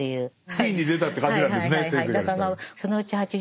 ついに出たって感じなんですね